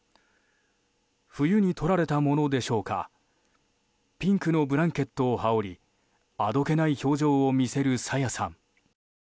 冬に撮られたものでしょうかピンクのブランケットを羽織りあどけない表情を見せる朝芽さん。